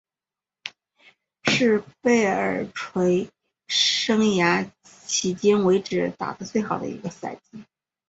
是贝尔垂生涯迄今为止打得最好的一个赛季。